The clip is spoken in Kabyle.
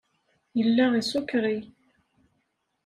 Yella isukṛi.